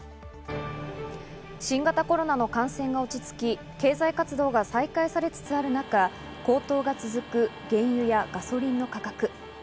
新型コロナの感染が落ち着き、経済活動が再開されつつある中、高騰が続く原油やガソリンの価格。